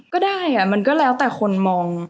ก็ได้มันก็แล้วแต่คนมอง